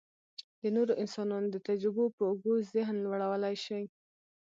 د نورو انسانانو د تجربو په اوږو ذهن لوړولی شي.